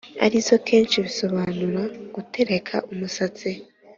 ari zo kesh, bisobanura gutereka umusatsi